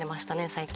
最近。